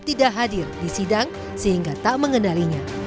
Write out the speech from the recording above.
tidak hadir di sidang sehingga tak mengenalinya